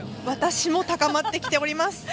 私も高まってきております。